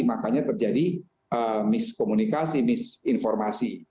makanya terjadi miskomunikasi misinformasi